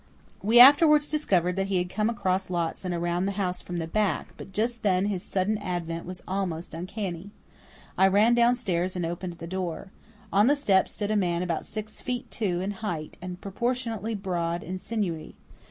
We afterwards discovered that he had come across lots and around the house from the back, but just then his sudden advent was almost uncanny. I ran downstairs and opened the door. On the step stood a man about six feet two in height, and proportionately broad and sinewy.